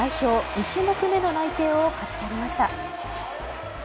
２種目めの内定を勝ち取りました。